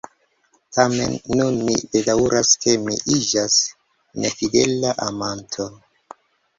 Tamen nun mi bedaŭras, ke mi iĝas nefidela amanto.